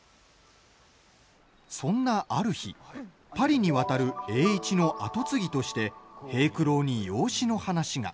そんなある日パリに渡る栄一の後継ぎとして平九郎に養子の話が。